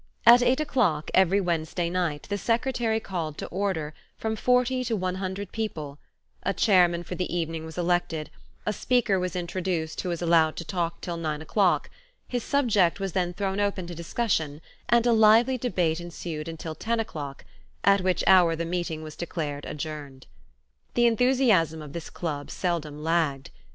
At eight o'clock every Wednesday night the secretary called to order from forty to one hundred people; a chairman for the evening was elected, a speaker was introduced who was allowed to talk until nine o'clock; his subject was then thrown open to discussion and a lively debate ensued until ten o'clock, at which hour the meeting was declared adjourned. The enthusiasm of this club seldom lagged.